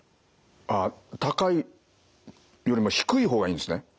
あっ高いよりも低い方がいいんですね。